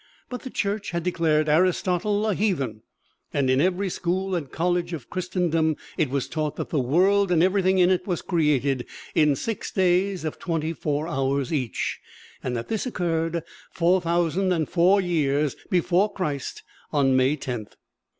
But the Church had declared Aristotle a heathen, and in every school and college of Christendom it was taught that the world and everything in it was created in six days of twenty four hours each, and that this occurred four thousand and four years before Christ, on May Tenth.